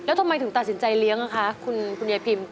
แล้วทำไมถึงตัดสินใจเลี้ยงอะคะคุณยายพิม